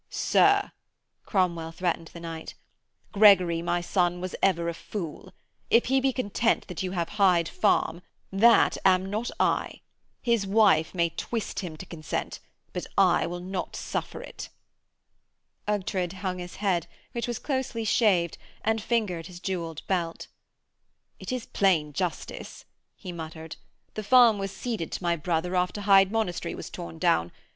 'Sir,' Cromwell threatened the knight, 'Gregory my son was ever a fool. If he be content that you have Hyde Farm that am not I. His wife may twist him to consent, but I will not suffer it.' Ughtred hung his head, which was closely shaved, and fingered his jewelled belt. 'It is plain justice,' he muttered. 'The farm was ceded to my brother after Hyde Monastery was torn down.